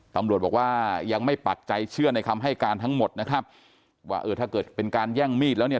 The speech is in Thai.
ตำรวจบอกว่ายังไม่ปักใจเชื่อในคำให้การทั้งหมดนะครับว่าเออถ้าเกิดเป็นการแย่งมีดแล้วเนี่ย